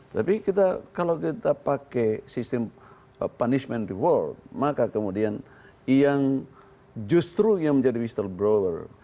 tapi kalau kita pakai sistem punishment reward maka kemudian yang justru yang menjadi whistlebrover